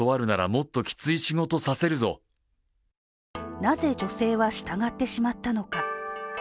なぜ女性は従ってしまったのか。